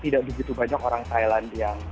tidak begitu banyak orang thailand yang